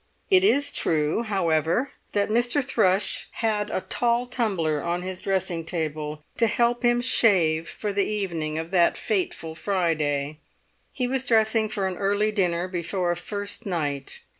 It is true, however, that Mr. Thrush had a tall tumbler on his dressing table, to help him shave for the evening of that fateful Friday. He was dressing for an early dinner before a first night.